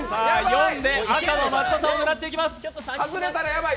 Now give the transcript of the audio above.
４で赤の松田さんを狙っていきます。